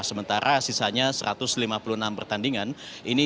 sementara sisanya satu ratus lima puluh enam pertandingan